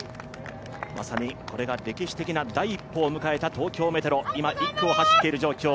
まさにこれが歴史的な第一歩を迎えた東京メトロ、今、１区を走っている状況。